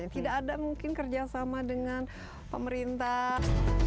tidak ada mungkin kerjasama dengan pemerintah